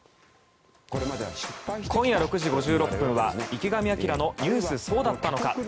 今夜６時５６分は「池上彰のニュースそうだったのか！！」。